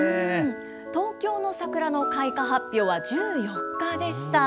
東京の桜の開花発表は、１４日でした。